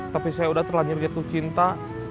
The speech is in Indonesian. tapi saya udah terlanjur jatuh cinta